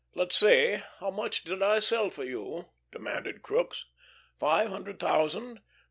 "Let's see. How much did I sell for you?" demanded Crookes. "Five hundred thousand?"